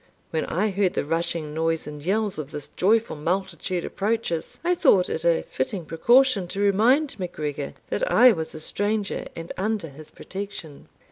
When I heard the rushing noise and yells of this joyful multitude approach us, I thought it a fitting precaution to remind MacGregor that I was a stranger, and under his protection.